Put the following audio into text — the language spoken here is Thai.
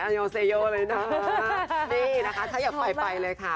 โยเซโยเลยนะนี่นะคะถ้าอยากไปไปเลยค่ะ